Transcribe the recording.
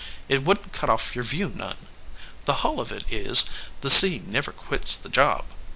It wouldn t cut off your view none. The hull of it is, the sea never quits the job.